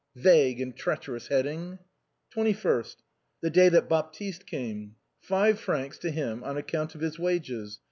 " Vague and treacherous hec^ding !" "'21st. (The day that Baptiste came.) 5 francs to him on account of his wages.